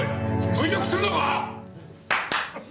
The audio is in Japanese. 侮辱するのか！？